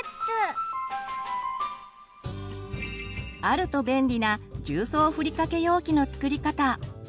あると便利な重曹ふりかけ容器の作り方。